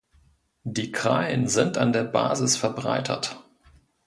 Die Krallen sind an der Basis verbreitert.